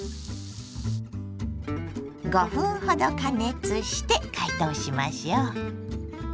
５分ほど加熱して解凍しましょう。